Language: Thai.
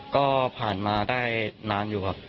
ก็ผ่านมาได้นานอยู่ครับ